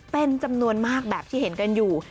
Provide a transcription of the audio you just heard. เป็นจำนวนมากแบบที่เห็นกันอยู่